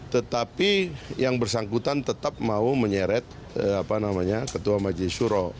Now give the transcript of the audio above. tetapi yang bersangkutan tetap mau menyeret ketua majelis syuro